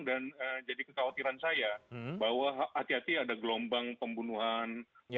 jadi kekhawatiran saya bahwa hati hati ada gelombang pembunuhan